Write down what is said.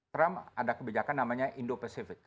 trump ada kebijakan namanya indo pacific